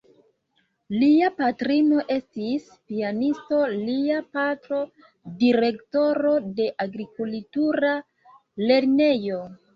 Lia patrino estis pianisto, lia patro direktoro de agrikultura lernejo.